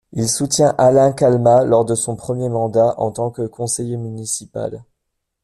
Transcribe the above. Il soutient Alain Calmat, lors de son premier mandat en tant que conseiller municipal.